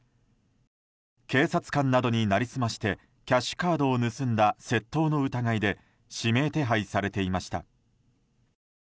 警察官などに成り済ましてキャッシュカードを盗んだ窃盗の疑いで指名手配されていました。